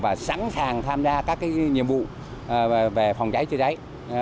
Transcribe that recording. và sẵn sàng tham gia các nhiệm vụ về phòng cháy chữa cháy